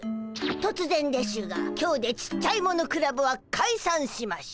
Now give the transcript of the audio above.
突然でしゅが今日でちっちゃいものクラブはかいさんしましゅ！